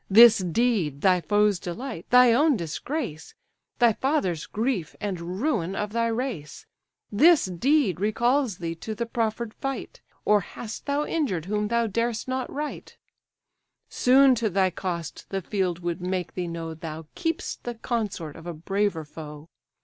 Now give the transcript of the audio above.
This deed, thy foes' delight, thy own disgrace, Thy father's grief, and ruin of thy race; This deed recalls thee to the proffer'd fight; Or hast thou injured whom thou dar'st not right? Soon to thy cost the field would make thee know Thou keep'st the consort of a braver foe.